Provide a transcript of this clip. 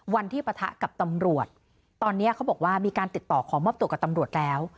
ปะทะกับตำรวจตอนนี้เขาบอกว่ามีการติดต่อขอมอบตัวกับตำรวจแล้ว